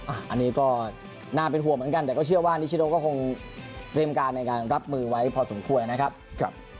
อันนี้ก็น่าเป็นห่วงเหมือนกันแต่ก็เชื่อว่านิชโนก็คงเตรียมการในการรับมือไว้พอสมควรนะครับ